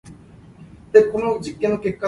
哈